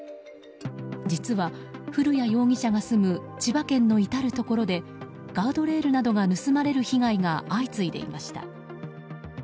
実は、古谷容疑者が住む千葉県の至るところでガードレールなどが盗まれる被害が相次いでいました。